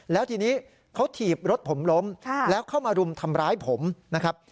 แล้วทีนี้เขาถีบรถผมล้มแล้วเข้ามารุมทำร้ายผมนะครับ